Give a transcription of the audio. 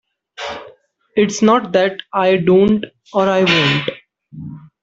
It's not that I don't or I won't.